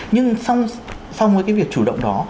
nhưng sau cái việc chủ động đó